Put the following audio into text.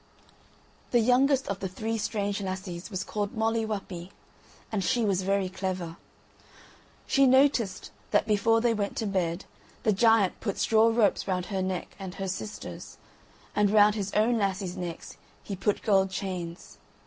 The youngest of the three strange lassies was called Molly Whuppie, and she was very clever. She noticed that before they went to bed the giant put straw ropes round her neck and her sisters', and round his own lassies' necks he put gold chains.